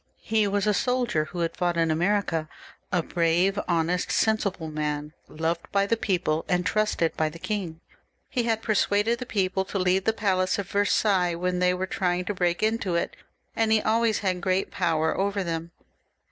He was a soldier who had fought in America, a brave, honest, sensible man, loved by the people and trusted by the king. He had persuaded the people to leave the palace of Versailles when they were trying to break into it, and he always had great power over them.